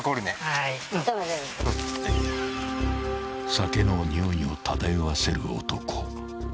［酒の臭いを漂わせる男］